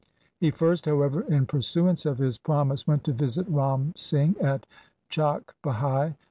He first, however, in pursuance of his promise went to visit Ram Singh at Chakk Bhai.